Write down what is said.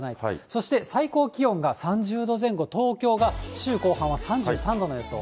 それから最高気温が３０度前後、東京が週後半は３３度の予想。